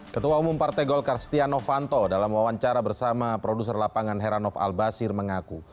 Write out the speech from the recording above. ketua umum partai golkar setia novanto dalam wawancara bersama produser lapangan heranov al basir mengaku